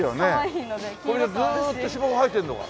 これずっと芝生生えてるのか。